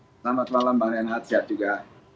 selamat malam bang renhat sehat juga